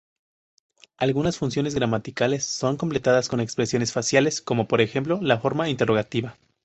Algunas funciones gramaticales son completadas con expresiones faciales como por ejemplo la forma interrogativa.